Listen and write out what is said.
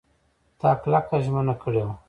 تا کلکه ژمنه کړې وه !